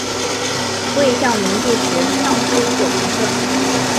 魏孝明帝时尚书左仆射。